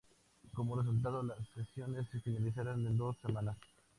Como resultado, las sesiones se finalizaron en dos semanas.